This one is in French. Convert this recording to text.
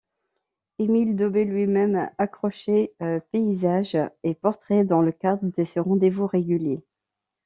Emile Daubé lui-même accrochait paysages et portraits dans le cadre de ces rendez-vous réguliers.